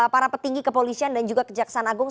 para petinggi kepolisian dan juga kejaksaan agung